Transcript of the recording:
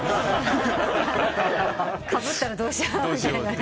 かぶったらどうしようみたいな。